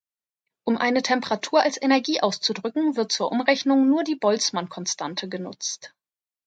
Um eine Temperatur als Energie auszudrücken, wird zur Umrechnung nur die Boltzmann-Konstante genutzt.